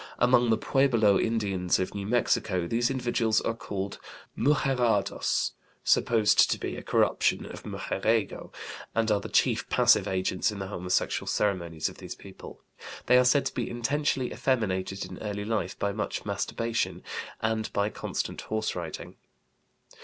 Among the Pueblo Indians of New Mexico these individuals are called mujerados (supposed to be a corruption of mujeriego) and are the chief passive agents in the homosexual ceremonies of these people. They are said to be intentionally effeminated in early life by much masturbation and by constant horse riding.